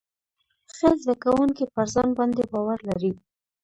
ښه زده کوونکي پر ځان باندې باور لري.